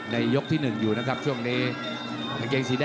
ในยกที่๑อยู่นะครับช่วงนี้